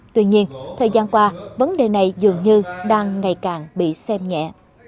tuy nhiên thời gian qua vấn đề này dường như đang ngày càng bị xem nhẹ